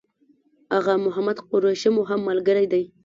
آغا محمد قریشي مو هم ملګری دی.